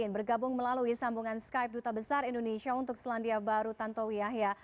bergabung melalui sambungan skype duta besar indonesia untuk selandia baru tantowi yahya